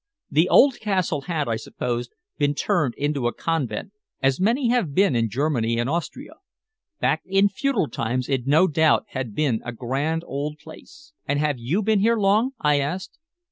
The old castle had, I supposed, been turned into a convent, as many have been in Germany and Austria. Back in feudal times it no doubt had been a grand old place. "And have you been here long?" I asked.